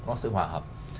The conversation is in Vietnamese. nó có sự hòa hợp